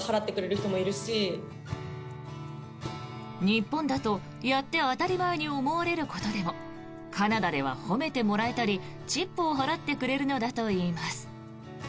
日本だと、やって当たり前に思われることでもカナダでは褒めてもらえたりチップを払ってくれるのだといいます。